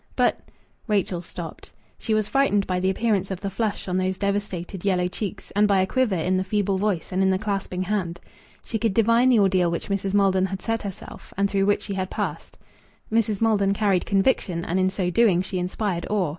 "But " Rachel stopped. She was frightened by the appearance of the flush on those devastated yellow cheeks, and by a quiver in the feeble voice and in the clasping hand. She could divine the ordeal which Mrs. Maldon had set herself and through which she had passed. Mrs. Maldon carried conviction, and in so doing she inspired awe.